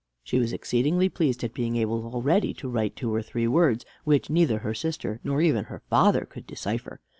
She was exceedingly pleased at being able already to write two or three words which neither her sister nor even her father could decipher.